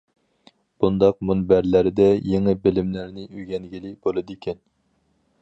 بۇنداق مۇنبەرلەردە نۇرغۇن يېڭى بىلىملەرنى ئۆگەنگىلى بولىدىكەن.